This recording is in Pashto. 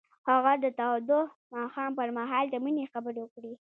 هغه د تاوده ماښام پر مهال د مینې خبرې وکړې.